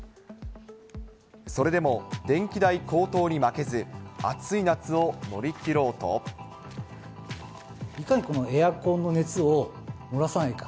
それでも電気代高騰に負けず、いかに、このエアコンの熱を漏らさないか。